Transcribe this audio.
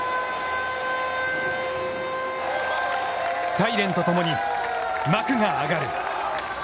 サイレンとともに幕が上がる。